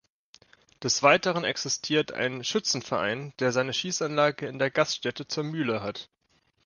Des Weiteren existiert ein Schützenverein, der seine Schießanlage in der Gaststätte zur Mühle hat.